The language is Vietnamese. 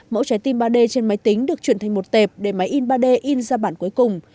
mẫu trái tim ba d trên máy tính được chuyển thành một tệp để máy in ba d in ra bản cuối cùng